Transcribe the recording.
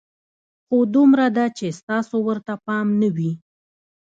خو دومره ده چې ستاسو ورته پام نه وي.